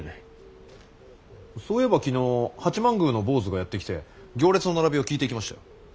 そういえば昨日八幡宮の坊主がやって来て行列の並びを聞いていきましたよ。